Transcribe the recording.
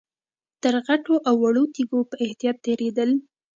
تر غټو او وړو تيږو په احتياط تېرېدل.